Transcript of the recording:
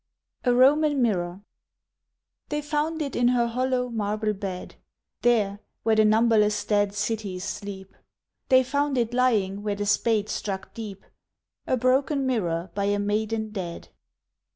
A ROMAN MIRROR They found it in her hollow marble bed, There where the numberless dead cities sleep, They found it lying where the spade struck deep, A broken mirror by a maiden dead.